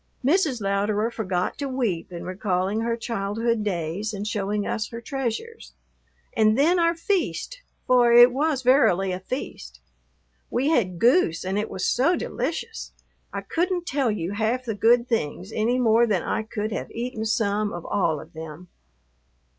Mrs. Louderer forgot to weep in recalling her childhood days and showing us her treasures. And then our feast, for it was verily a feast. We had goose and it was so delicious. I couldn't tell you half the good things any more than I could have eaten some of all of them.